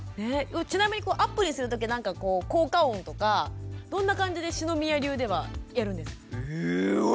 ちなみにアップにする時は何か効果音とかどんな感じで篠宮流ではやるんですか？